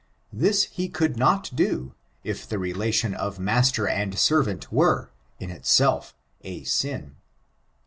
This he could not do, if the relation of master and servant were, in itself, a sin.